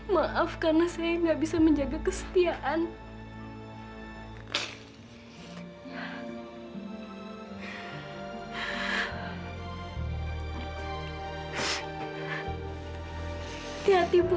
tolong sampaikan maaf saya padanya ibu